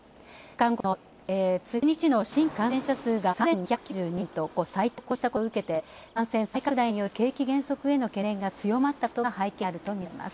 韓国の１日の新規感染者数が３２９２人と過去最多を更新したことを受けて感染再拡大による景気減速への懸念が強まったことが背景にあるとみられます。